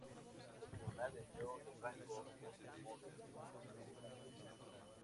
El tribunal le dio el rango póstumo de Ministro de la Derecha.